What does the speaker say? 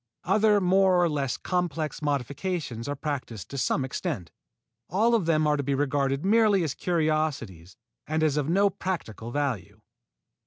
Other more or less complex modifications are practised to some extent. All of them are to be regarded merely as curiosities and as of no practical value.